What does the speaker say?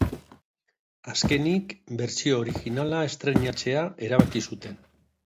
Azkenik, bertsio originala estreinatzea erabaki zuten.